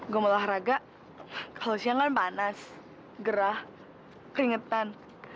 keluarga kalau siang kan panas gerah keringetan